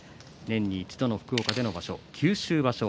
年に一度の福岡場所